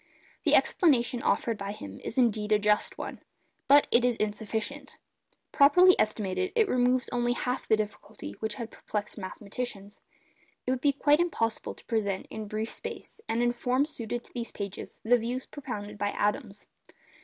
The explanation offered by him is indeed a just one. But it is insufficient. Properly estimated it removes only half the difficulty which had perplexed mathematicians. It would be quite impossible to present in brief space, and in form suited to these pages, the views propounded by Adams.